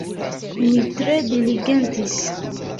Mi tre diligentis.